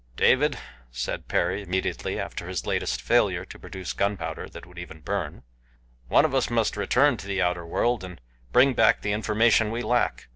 "David," said Perry, immediately after his latest failure to produce gunpowder that would even burn, "one of us must return to the outer world and bring back the information we lack.